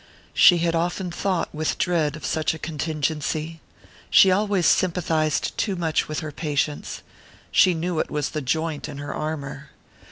She had often thought with dread of such a contingency. She always sympathized too much with her patients she knew it was the joint in her armour.